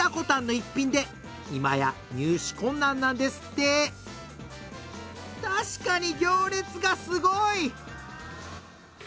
今や入手困難なんですって確かに行列がすごい！